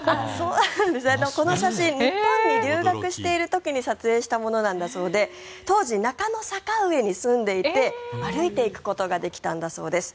この写真日本に留学している時に撮影したものなんだそうで当時、中野坂上に住んでいて歩いて行くことができたんだそうです。